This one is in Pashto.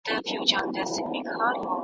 درباندي راسي دېوان په ډله `